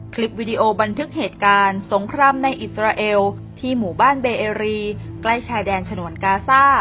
คลิปวิดีโอบันทึกเหตุการณ์สงครามในอิสราเอลที่หมู่บ้านเบเอรีใกล้ชายแดนฉนวนกาซ่า